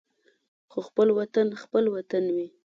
خو خپل وطن خپل وطن وي.